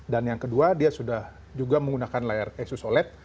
dan yang kedua dia sudah juga menggunakan layar asus oled